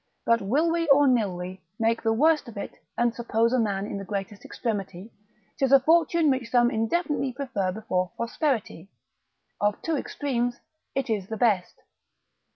But will we, or nill we, make the worst of it, and suppose a man in the greatest extremity, 'tis a fortune which some indefinitely prefer before prosperity; of two extremes it is the best.